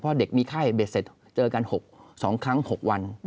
เพราะเด็กมีไข้เบ็ดเสร็จเจอกัน๒ครั้ง๖วัน